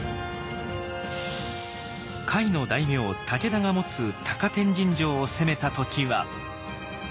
甲斐の大名武田が持つ高天神城を攻めた時は。